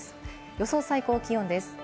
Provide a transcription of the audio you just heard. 予想最高気温です。